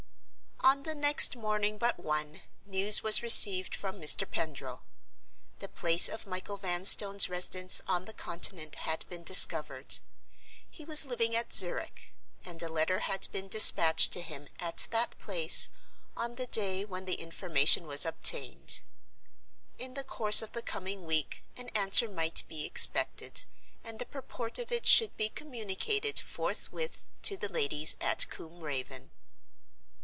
On the next morning but one, news was received from Mr. Pendril. The place of Michael Vanstone's residence on the Continent had been discovered. He was living at Zurich; and a letter had been dispatched to him, at that place, on the day when the information was obtained. In the course of the coming week an answer might be expected, and the purport of it should be communicated forthwith to the ladies at Combe Raven.